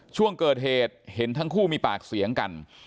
ช่วงเกิดเหตุเห็นทั้งคู่มีปากเสียงกัน